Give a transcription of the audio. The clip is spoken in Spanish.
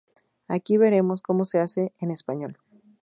Aquí veremos cómo se hace en español.